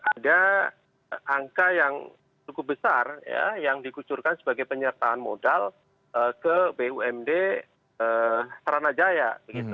ada angka yang cukup besar yang dikucurkan sebagai penyertaan modal ke bumd saranajaya